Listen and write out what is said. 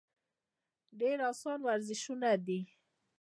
ډېر اسان ورزشونه دي -